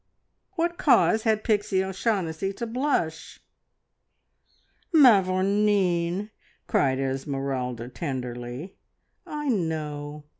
What cause had Pixie O'Shaughnessy to blush? "Mavourneen!" cried Esmeralda tenderly, "I know.